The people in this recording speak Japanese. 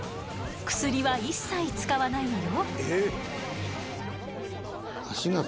薬は一切使わないのよ。